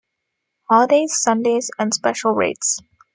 Holidays, Sundays and special rates.